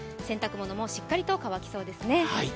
洗濯物もしっかりと乾きそうですね。